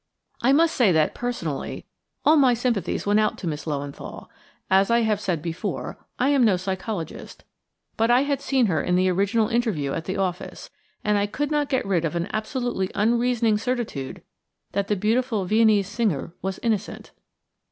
I must say that, personally, all my sympathies went out to Miss Löwenthal. As I have said before, I am no psychologist, but I had seen her in the original interview at the office, and I could not get rid of an absolutely unreasoning certitude that the beautiful Viennese singer was innocent.